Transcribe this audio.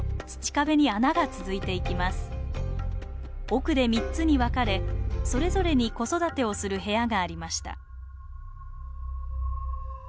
奥で３つに分かれそれぞれに子育てをする部屋がありました。